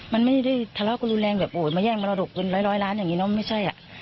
มันไม่ได้ทะเลาะกันรุนแรงแบบโอ้ยมาแย่งมรดกเงินร้อยล้านอย่างนี้เนอะไม่ใช่อ่ะ